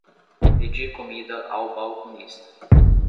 Pedi comida ao balconista.